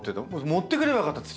持ってくればよかった土。